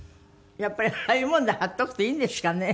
やっぱりああいうもので貼っとくといいんですかね。